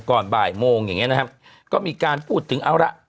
ก่อนบ่ายโมงอย่างนี้นะครับก็มีการพูดถึงเอาละ